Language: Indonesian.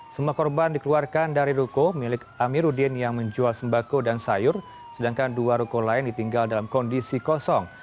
semua korban dikeluarkan dari ruko milik amiruddin yang menjual sembako dan sayur sedangkan dua ruko lain ditinggal dalam kondisi kosong